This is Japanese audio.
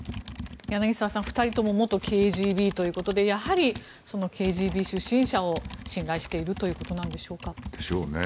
柳澤さん、２人とも元ＫＧＢということでやはりＫＧＢ出身者を信頼しているということなんでしょうか。でしょうね。